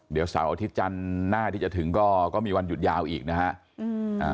เดี๋ยวเสาร์อาทิตย์จันทร์หน้าที่จะถึงก็มีวันหยุดยาวอีกนะฮะ